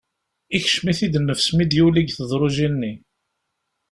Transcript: Ikcem-it-id nnefs mi d-yuli deg tedrujin-nni.